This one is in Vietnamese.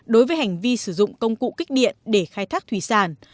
đối với hành vi sử dụng công cụ kích điện để khai thác thủy sản